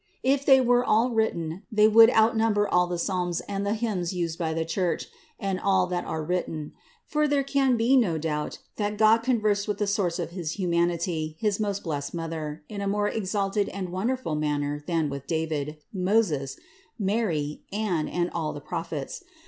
If they were all written, they would outnumber all the psalms and the hymns used by the Church, and all that are written ; for there can be no doubt that God conversed with the source of his humanity, his most blessed Mother, in a more exalted and wonderful manner than with David, Moses, Mary, Anne and all the Prophets.